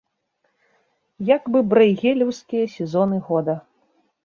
Як бы брэйгелеўскія сезоны года.